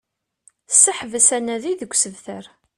Seḥbes anadi deg usebter